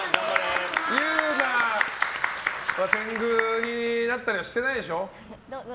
祐奈は天狗になったりはしてないでしょ？